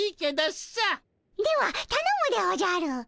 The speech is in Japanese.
ではたのむでおじゃる。